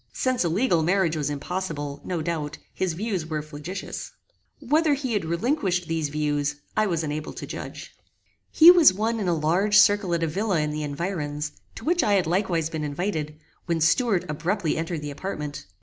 Since a legal marriage was impossible, no doubt, his views were flagitious. Whether he had relinquished these views I was unable to judge. He was one in a large circle at a villa in the environs, to which I had likewise been invited, when Stuart abruptly entered the apartment.